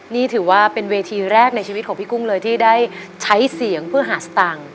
นี่ถือว่าเป็นเวทีแรกในชีวิตของพี่กุ้งเลยที่ได้ใช้เสียงเพื่อหาสตางค์